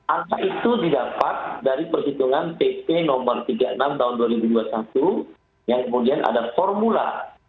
angka itu didapat dari perhitungan pp no tiga puluh enam tahun dua ribu dua puluh satu yang kemudian ada formula